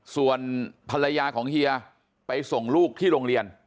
ส่วนภรรยาของเฮียไปส่งลูกที่โรงเรียน